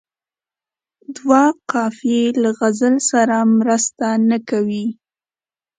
دوه قافیې له غزل سره مرسته نه کوي.